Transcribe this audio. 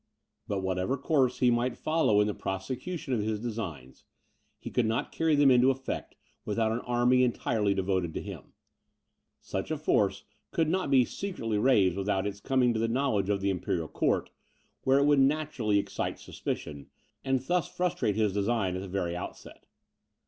But whatever course he might follow in the prosecution of his designs, he could not carry them into effect without an army entirely devoted to him. Such a force could not be secretly raised without its coming to the knowledge of the imperial court, where it would naturally excite suspicion, and thus frustrate his design in the very outset.